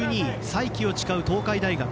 再起を誓う東海大学。